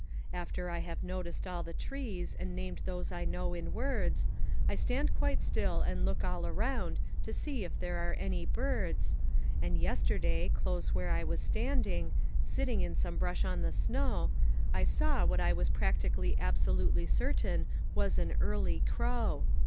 After I have noticed all the trees, and named those I know in words, I stand quite still and look all round to see if there are any birds, And yesterday, close where I was standing, sitting in some brush on the snow, I saw what I was practically absolutely certain was an early crow.